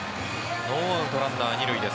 ノーアウトランナー二塁です。